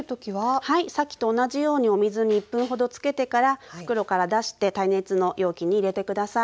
さっきと同じようにお水に１分ほどつけてから袋から出して耐熱の容器に入れて下さい。